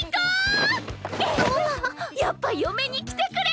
やっぱ嫁に来てくれ！